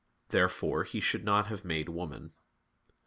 Therefore He should not have made woman.